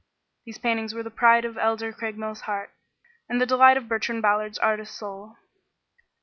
These paintings were the pride of Elder Craigmile's heart, and the delight of Bertrand Ballard's artist soul.